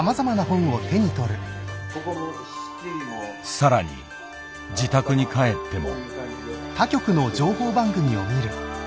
さらに自宅に帰っても。